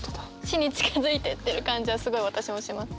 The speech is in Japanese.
死に近づいてってる感じはすごい私もします。